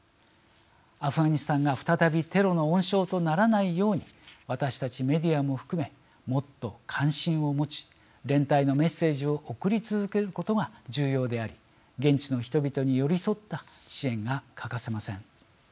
アフガニスタンが再びテロの温床とならないように私たちメディアも含めもっと関心を持ち連帯のメッセージを送り続けることが重要であり現地の人々に寄り添った支援が欠かせません。